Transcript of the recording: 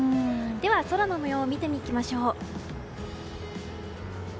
では、空の模様を見ていきましょう。